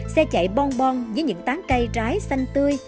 xe chạy bong bon với những tán cây trái xanh tươi